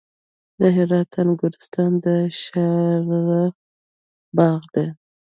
د هرات انګورستان د شاهرخ باغ دی